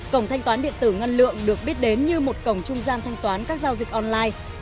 cổng thanh toán điện tử ngân lượng được biết đến như một cổng trung gian thanh toán các giao dịch online